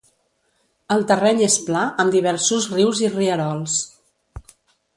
El terreny és pla amb diversos rius i rierols.